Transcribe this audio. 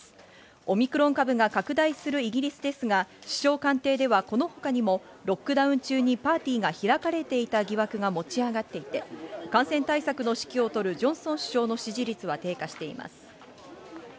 オミクロン株が拡大するイギリスですが、首相官邸ではこのほかにもロックダウン中にパーティーが開かれていた疑惑が持ち上がっていて、感染対策の指揮を執るジョンソン首相の支持率は低下しています。